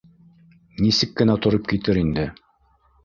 Нисек кенә тороп китер инде...